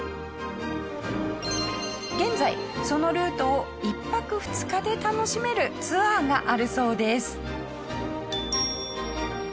現在そのルートを１泊２日で楽しめるツアーがあるそうです。